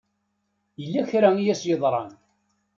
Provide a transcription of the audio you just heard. Yella kra i as-yeḍran.